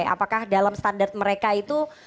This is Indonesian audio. apakah dalam standar mereka itu